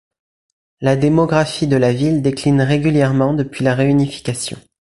La démographie de la ville décline régulièrement depuis la réunification.